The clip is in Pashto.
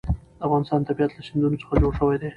د افغانستان طبیعت له سیندونه څخه جوړ شوی دی.